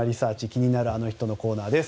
気になるアノ人のコーナーです。